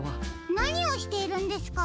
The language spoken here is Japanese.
なにをしているんですか？